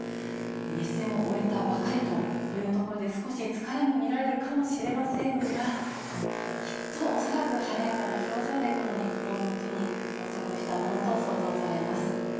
熱戦を終えたばかりというところで、少し疲れも見られるかもしれませんが、きっと、恐らく晴れやかな表情で、この日本の地に到着したものと想像されます。